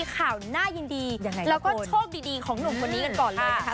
ข่าวน่ายินดียังไงแล้วก็โชคดีของหนุ่มคนนี้กันก่อนเลยนะคะ